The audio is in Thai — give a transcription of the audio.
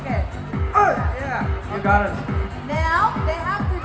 กลัวเหรอมีเต็มภาพ